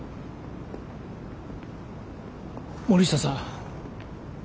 森下さん